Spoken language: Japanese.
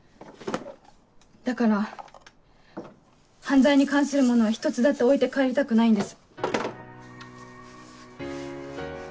だから犯罪に関するものは１つだって置いて帰りたくないんです。